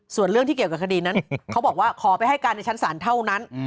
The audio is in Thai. ส่วนเรื่องที่เกี่ยวกับคดีนั้นเขาบอกว่าขอไปให้การในชั้นศาลเท่านั้น